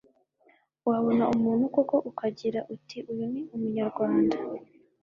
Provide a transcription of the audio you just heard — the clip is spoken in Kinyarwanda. wabona umuntu koko ukagira uti uyu ni umunyarwanda